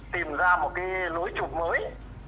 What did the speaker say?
tìm ra một cái lối chụp mới